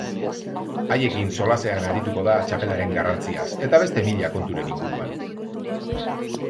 Haiekin solasean arituko da txapelaren garrantziaz, eta beste mila konturen inguruan.